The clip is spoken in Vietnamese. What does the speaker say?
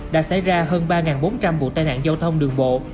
đã xảy ra hơn ba bốn trăm linh vụ tai nạn giao thông đường bộ